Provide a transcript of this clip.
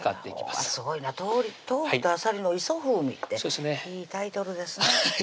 すごいな「豆腐とあさりの磯風味」いいタイトルですねはい